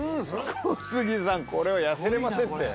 小杉さんこれは痩せれませんって。